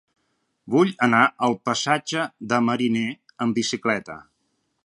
Vull anar al passatge de Mariné amb bicicleta.